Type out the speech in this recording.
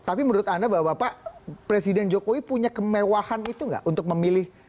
tapi menurut anda bapak presiden jokowi punya kemewahan itu nggak untuk memilih